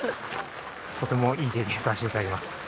とてもいい経験させていただきました。